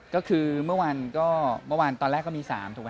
ก็คือเมื่อวานก็ตอนแล้วก็มี๓